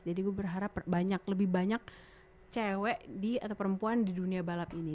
jadi gue berharap banyak lebih banyak cewek di atau perempuan di dunia balap ini